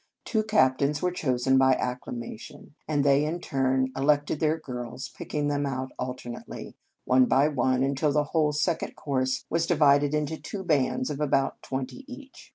Two captains were chosen by acclamation, and they in turn elected their girls, picking them out alternately, one by one, until the whole Second Cours was divided into two bands of about twenty each.